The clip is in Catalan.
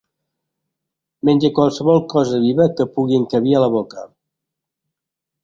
Menja qualsevol cosa viva que pugui encabir a la boca.